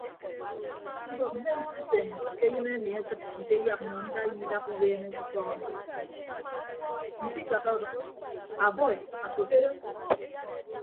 Mbọk mme nsusen ke ayịn ami akịd nte eyak nọ ndaiya idap uweeme ke ufọk ami nsikak ọdʌk a bọi afo kedo.